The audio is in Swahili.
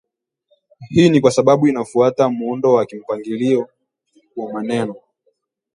Hii ni kwa sababu inafuata muundo wa kimpangilio wa maneno